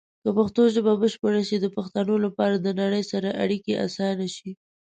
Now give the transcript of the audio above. که پښتو ژبه بشپړه شي، د پښتنو لپاره د نړۍ سره اړیکې اسانه شي.